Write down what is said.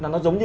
nó giống như